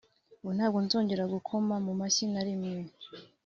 ubu ntabwo nzongera gukoma mu mashyi na rimwe”